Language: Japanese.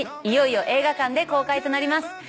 いよいよ映画館で公開となります。